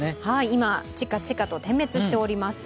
今、チカチカと点滅しております